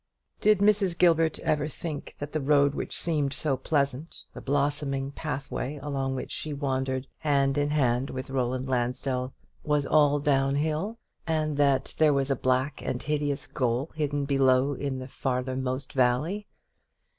Did Mrs. Gilbert ever think that the road which seemed so pleasant, the blossoming pathway along which she wandered hand in hand with Roland Lansdell, was all downhill, and that there was a black and hideous goal hidden below in the farther most valley?